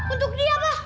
untuk dia apa